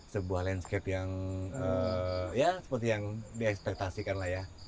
sebuah landscape yang seperti yang di ekspektasikan lah ya